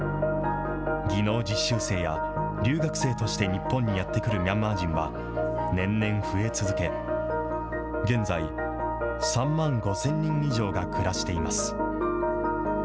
技能実習生や、留学生として日本にやって来るミャンマー人は、年々増え続け、現在、３万５０００人以上が暮らしています。